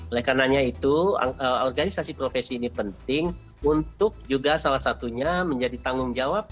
oleh karena itu organisasi profesi ini penting untuk juga salah satunya menjadi tanggung jawab